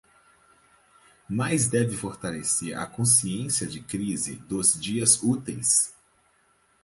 Mais deve fortalecer a consciência de crise dos dias úteis